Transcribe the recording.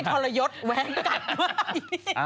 อ้าวอันนี้ทรยศแวะกัดมาก